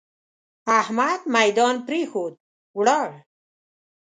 احمد ميدان پرېښود؛ ولاړ.